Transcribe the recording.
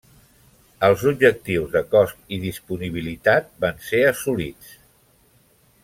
Els objectius de cost i disponibilitat van ser assolits.